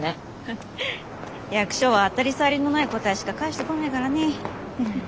役所は当たり障りのない答えしか返してこないからね。